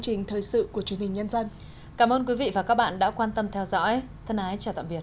chương trình thời sự của truyền hình nhân dân cảm ơn quý vị và các bạn đã quan tâm theo dõi thân ái chào tạm biệt